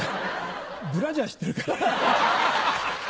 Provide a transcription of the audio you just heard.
ブラジャーしてるから。